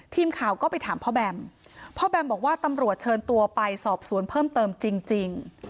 ทีมข่าวก็ไปถามพ่อแบมพ่อแบมบอกว่าตำรวจเชิญตัวไปสอบสวนเพิ่มเติมจริง